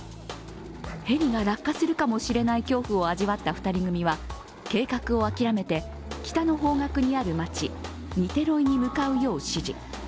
ヘリが落下するかもしれない恐怖を味わった２人組は計画をあきらめて北の方角にある街、ニテロイに向かうよう指示。